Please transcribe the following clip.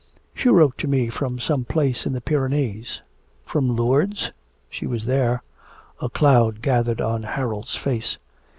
'She wrote to me from some place in the Pyrenees.' 'From Lourdes? she was there.' A cloud gathered on Harold's face.